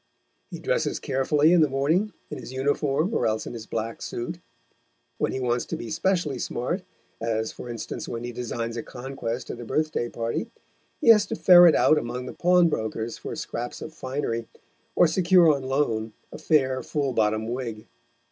He dresses carefully in the morning, in his uniform or else in his black suit. When he wants to be specially smart, as, for instance, when he designs a conquest at a birthday party, he has to ferret among the pawnbrokers for scraps of finery, or secure on loan a fair, full bottom wig.